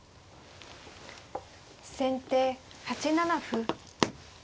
先手８七歩。